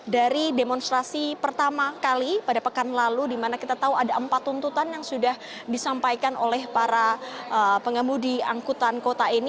dari demonstrasi pertama kali pada pekan lalu dimana kita tahu ada empat tuntutan yang sudah disampaikan oleh para pengemudi angkutan kota ini